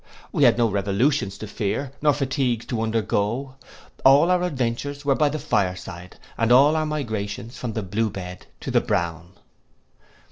We had no revolutions to fear, nor fatigues to undergo; all our adventures were by the fire side, and all our migrations from the blue bed to the brown.